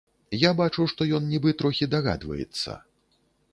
Я бачу, што ён нібы трохі дагадваецца.